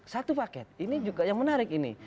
satu paket ini juga yang menarik ini